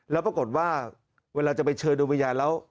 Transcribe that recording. แล้วปรากฏว่าเวลาจะไปเชิญอุโมยาแล้ว